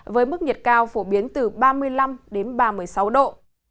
với mức nhiệt cao phổ biến từ ba mươi năm đến ba mươi sáu độ